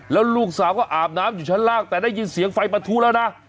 แล้วลูกสาวก็อาบน้ำอยู่ชั้นล่างแต่ได้ยินเสียงไฟประทุแล้วนะ